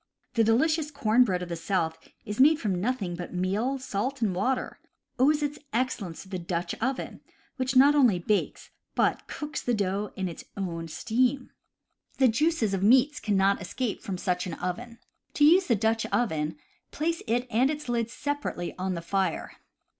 The delicious corn bread of the South, made from nothing but meal, salt, and water, owes its excellence to the Dutch oven, which not only bakes but cooks the dough in its own steam. The 120 CAMPING AND WOODCRAFT juices of meats cannot escape from such an oven. To use the Dutch oven, place it and its hd separately on the fire.